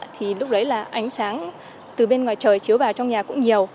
thì lúc đấy là ánh sáng từ bên ngoài trời chiếu vào trong nhà cũng nhiều